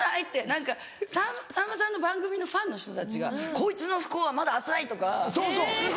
何かさんまさんの番組のファンの人たちが「こいつの不幸はまだ浅い！」とかすごい。